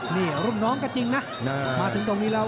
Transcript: นี่รุ่นน้องก็จริงนะมาถึงตรงนี้แล้ว